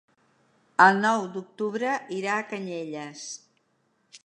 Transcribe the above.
El nou d'octubre irà a Canyelles.